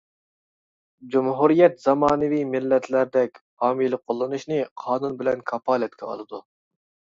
جۇمھۇرىيەت زامانىۋى مىللەتلەردەك فامىلە قوللىنىشنى قانۇن بىلەن كاپالەتكە ئالىدۇ.